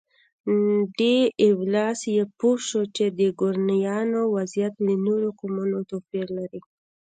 ډي ایولاس پوه شو چې د ګورانیانو وضعیت له نورو قومونو توپیر لري.